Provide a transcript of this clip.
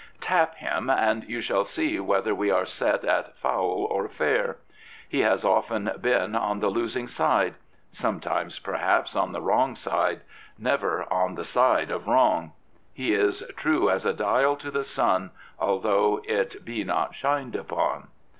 Tap him and you shall see whether we are set at foul " or " fair." He has often been on the losing side: sometimes perhaps on the wrong side: never on the side of wrong. He is 152 Lord Morley of Blackburn True as a dial to the snn, Although it be not shined upon.